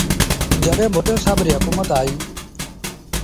جڏهيݩ ڀُٽي سآب ريٚ هڪومت آئيٚ۔